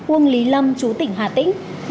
uông lý lâm chú tỉnh hà tĩnh